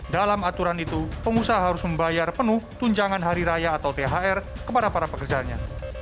dalam aturan itu pengusaha harus membayar penuh tunjangan hari raya atau thr kepada para pekerjanya